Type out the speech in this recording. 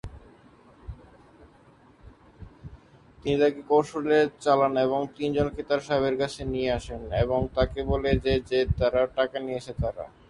তিনি তাকে কৌশলে চালান এবং তিনজনকে তাঁর সাহেবের কাছে নিয়ে আসেন এবং তাকে বলে যে যে তারা টাকা নিয়েছে তারা।